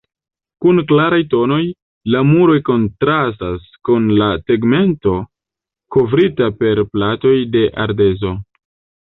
Kun klaraj tonoj, la muroj kontrastas kun la tegmento, kovrita per platoj de ardezo.